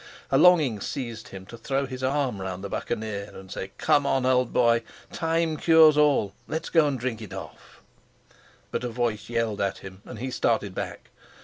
A longing seized him to throw his arm round the Buccaneer, and say, "Come, old boy. Time cures all. Let's go and drink it off!" But a voice yelled at him, and he started back.